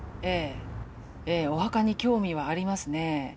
ええお墓に興味はありますね。